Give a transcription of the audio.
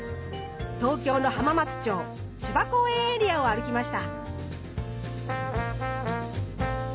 東京の浜松町・芝公園エリアを歩きました。